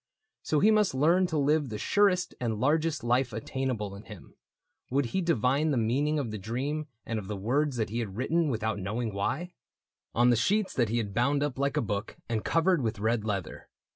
So he must learn To live the surest and the largest life Attainable in him, would he divine The meaning of the dream and of the words That he had written, without knowing why. THE BOOK OF ANNANDALE 129 On sheets that he had bound up like a book And covered with red leather.